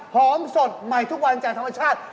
สดใหม่ทุกวันจากธรรมชาติ